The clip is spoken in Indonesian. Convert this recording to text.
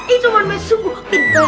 itu manfaat sungguh pinter